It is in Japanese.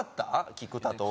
菊田と俺。